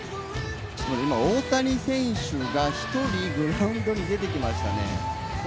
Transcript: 今、大谷選手が１人、グラウンドに出てきましたね。